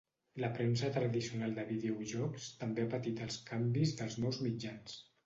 La premsa tradicional de videojocs també ha patit els canvis dels nous mitjans.